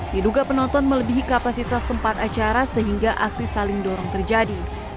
diduga penonton melebihi kapasitas tempat acara sehingga aksi saling dorong terjadi